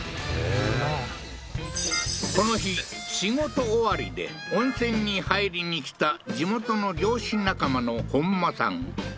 沼この日仕事終わりで温泉に入りにきた地元の漁師仲間の本間さん